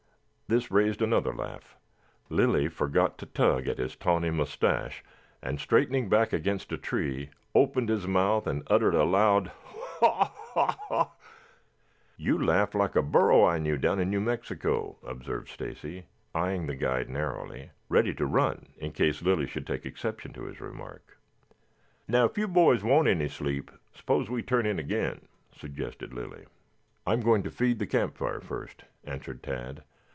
This raised another laugh. Lilly forgot to tug at his tawny moustache and straightening back against a tree opened his mouth and uttered a loud "Haw, haw, haw." "You laugh like a burro I knew down in New Mexico," observed Stacy, eyeing the guide narrowly, ready to run in case Lilly should take exception to his remark. "Now, if you boys want any sleep, suppose we turn in again," suggested Lilly. "I am going to feed the campfire first," answered Tad.